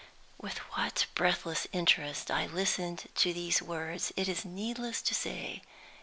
With what breathless interest I listened to these words it is needless to say.